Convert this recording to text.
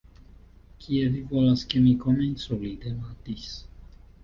"Kie vi volas ke mi komencu?" li demandis.